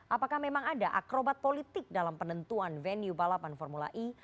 apakah memang ada akrobat politik dalam penentuan venue balapan formula e